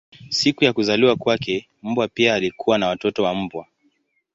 Siku ya kuzaliwa kwake mbwa pia alikuwa na watoto wa mbwa.